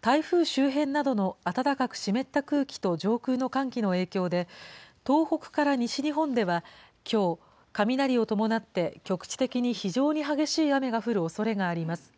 台風周辺などの暖かく湿った空気と上空の寒気の影響で、東北から西日本ではきょう、雷を伴って局地的に非常に激しい雨が降るおそれがあります。